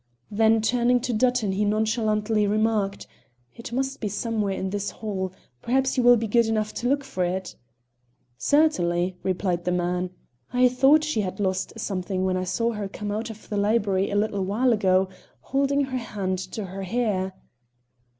Then turning to Dutton he nonchalantly remarked. "It must be somewhere in this hall; perhaps you will be good enough to look for it." "Certainly," replied the man. "I thought she had lost something when I saw her come out of the library a little while ago holding her hand to her hair."